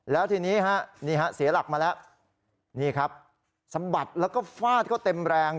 แล้วทีนี้ฮะนี่ฮะเสียหลักมาแล้วนี่ครับสะบัดแล้วก็ฟาดเขาเต็มแรง